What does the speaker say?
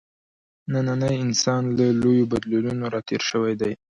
نننی انسان له لویو بدلونونو راتېر شوی دی.